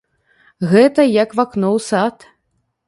Гэта як вакно ў сад.